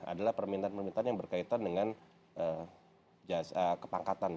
adalah permintaan permintaan yang berkaitan dengan kepangkatan